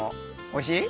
おいしい。